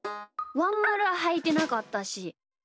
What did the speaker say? ワンまるははいてなかったし。